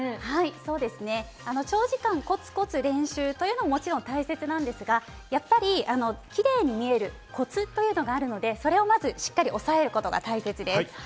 そうですね、長時間コツコツ練習というのも、もちろん大切なんですが、やっぱりキレイに見えるコツというのがあるので、それをまずしっかり押さえることが大切です。